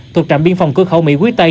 thuộc trạm biên phòng cứ khẩu mỹ quý tây